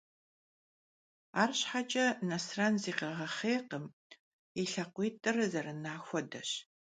Arşheç'e Nesren zıkhiğexhêyrkhım, yi lhakhuit'ır zerına xuedeş.